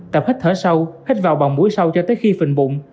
tập hít thở sâu hít vào bằng mũi sau cho tới khi phình bụng